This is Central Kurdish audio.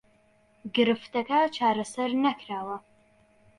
گرفتەکە چارەسەر نەکراوە